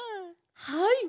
はい。